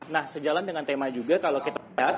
nah sejalan dengan tema juga kalau kita lihat